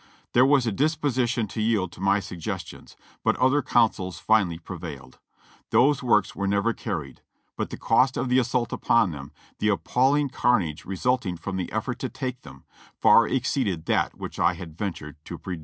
There was a disposition to yield to my sug gestions, but other counsels finally prevailed. Those works were never carried, but the cost of the assault upon them, the appalling carnage resulting from the effort to take them, far exceeded that which I had ventured to predict."